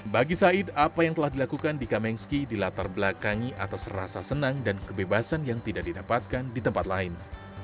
bagi said apa yang telah dilakukan di kamengski dilatar belakangi atas rasa senang dan kebebasan yang tidak didapatkan di tempat lain